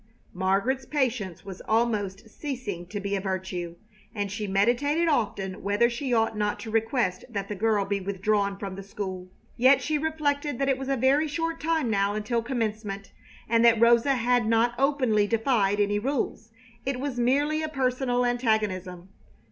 Margaret's patience was almost ceasing to be a virtue, and she meditated often whether she ought not to request that the girl be withdrawn from the school. Yet she reflected that it was a very short time now until Commencement, and that Rosa had not openly defied any rules. It was merely a personal antagonism.